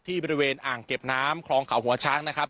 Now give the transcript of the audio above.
บริเวณอ่างเก็บน้ำคลองเขาหัวช้างนะครับ